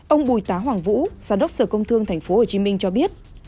ông bùi tá hoàng vũ giám đốc sở công thương thành phố hồ chí minh cho biết